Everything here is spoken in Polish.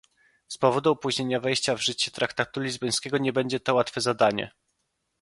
Z powodu opóźnienia wejścia w życie traktatu lizbońskiego nie będzie to łatwe zadanie